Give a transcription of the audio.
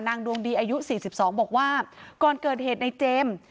นางดวงดีอายุสี่สิบสองบอกว่าก่อนเกิดเหตุในเจมส์